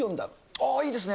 あー、いいですね。